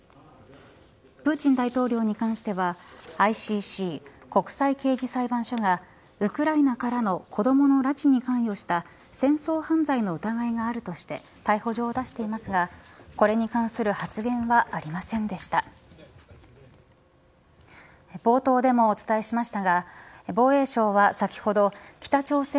プーチン大統領に関してはＩＣＣ国際刑事裁判所がウクライナからの子どもの拉致に関与した戦争犯罪の疑いがあるとして逮捕状を出していますがこれに関する発言は野球の日本代表侍ジャパンがＷＢＣの準決勝に向け渡米後初の全体練習を行いました。